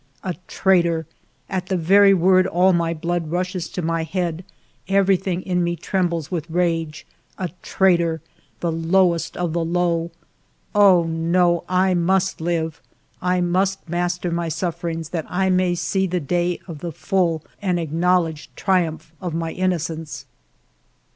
A traitor! At the very word all my blood rushes to my head, everything in me trembles with rage. A traitor ! The lowest of the low ! Oh, no, I must live ; I must master my suffer ings, that I may see the day of the full and acknowledged triumph of my innocence.